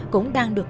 cũng đang được